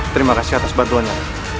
terima kasih atas bantuanmu